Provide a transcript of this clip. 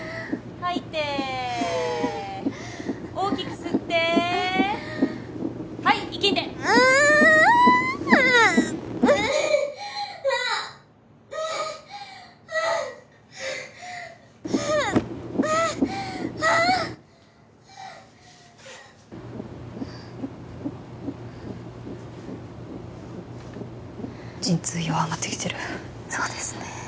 吐いてふう大きく吸ってはいいきんでううふっうっはあ陣痛弱まってきてるそうですね